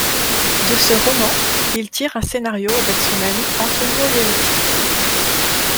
De ce roman, il tire un scénario avec son ami Antonio Leotti.